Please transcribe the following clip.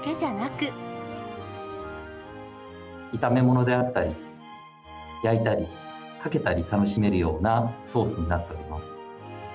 炒め物であったり、焼いたり、かけたり楽しめるようなソースになっております。